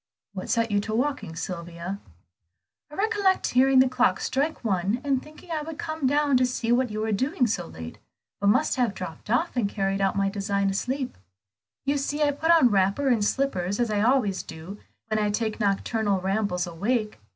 "What set you walking, Sylvia?" "I recollect hearing the clock strike one, and thinking I would come down to see what you were doing so late, but must have dropped off and carried out my design asleep. You see I put on wrapper and slippers as I always do, when I take nocturnal rambles awake.